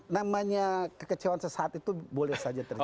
namanya kekecewaan sesaat itu boleh saja terjadi